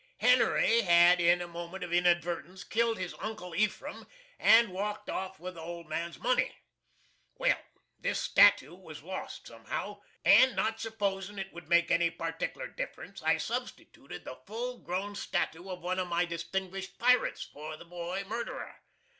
HENRY had, in a moment of inadvertence, killed his Uncle EPHRAM and walked off with the old man's money. Well, this stattoo was lost somehow, and not sposin' it would make any particler difference I substitooted the full grown stattoo of one of my distinguished piruts for the Boy Murderer.